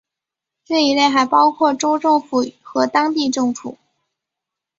这一类还包括州政府和当地政府。